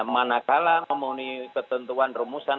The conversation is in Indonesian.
manakala memenuhi ketentuan rumusan